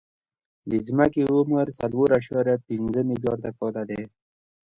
د ځمکې عمر څلور اعشاریه پنځه ملیارده کاله دی.